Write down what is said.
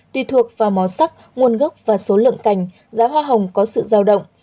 tùy thuộc vào màu sắc nguồn gốc và số lượng cành giá hoa hồng có sự giao động